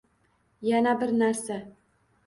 Yana bir narsa.